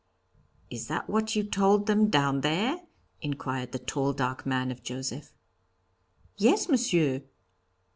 'Is that what you told them down there?' inquired the tall, dark man of Joseph. 'Yes, Monsieur.'